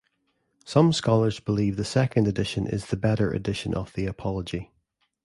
Some scholars believe the second edition is the better edition of the Apology.